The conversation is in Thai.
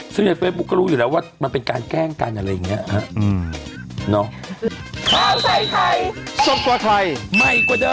ซึ่งแบบเฟย์บุ๊คก็รู้อยู่แล้วว่ามันเป็นการแกล้งกันอะไรอย่างเงี้ยฮะอืมเนาะ